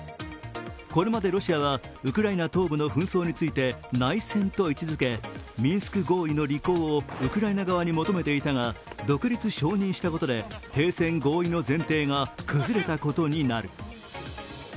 これまでロシアはウクライナ東部の紛争について内戦と位置づけ、ミンスク合意の履行をウクライナ側に求めていたが、独立承認したことで停戦合意の前提が崩れたことになる。